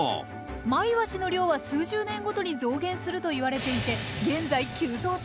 マイワシの量は数十年ごとに増減するといわれていて現在急増中。